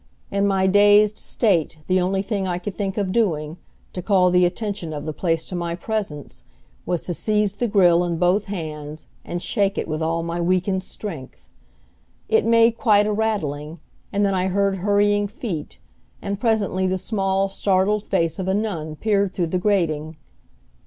In my dazed state the only thing I could think of doing, to call the attention of the place to my presence, was to seize the grill in both hands and shake it with all my weakened strength. It made quite a rattling, and then I heard hurrying feet, and presently the small, startled face of a nun peered through the grating.